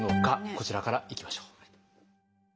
こちらからいきましょう。